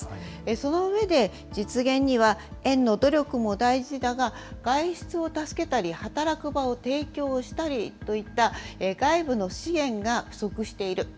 その上で、実現には、園の努力も大事だが、外出を助けたり、働く場を提供したりといった外部の支援が不足している。